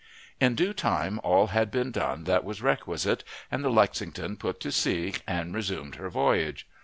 In due time all had been done that was requisite, and the Lexington put to sea and resumed her voyage.